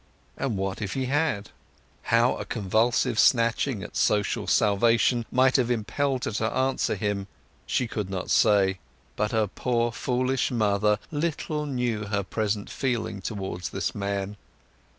And what if he had? How a convulsive snatching at social salvation might have impelled her to answer him she could not say. But her poor foolish mother little knew her present feeling towards this man.